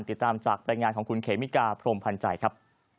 ติดตามจากรายงานของคุณเขมิกาพรมพันธ์ใจครับ